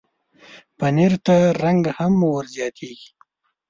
پنېر ته رنګ هم ورزیاتېږي.